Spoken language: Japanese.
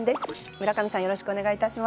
村上さんよろしくお願いいたします。